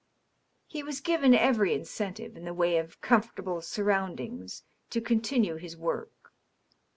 He was given every incentive, in the way of comfortable sur roundings, to continue his work.